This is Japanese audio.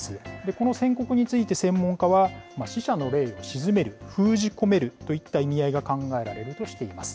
この線刻について専門家は、死者の霊を鎮める、封じ込めるといった意味合いが考えられるとしています。